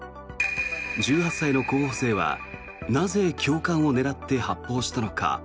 １８歳の候補生はなぜ教官を狙って発砲したのか。